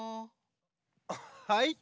はい？